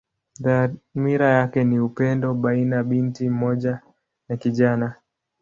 Dhamira yake ni upendo baina binti mmoja na kijana.